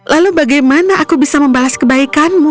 lalu bagaimana aku bisa membalas kebaikanmu